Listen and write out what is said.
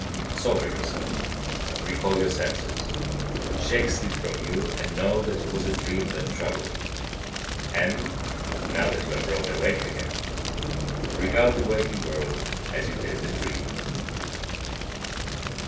31. Sober yourself, recall your senses. Shake sleep from you, and know that it was a dream that troubled you; and, now that you are broad awake again, regard the waking world as you did the dream.